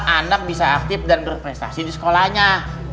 anak bisa aktif dan berprestasi di sekolahnya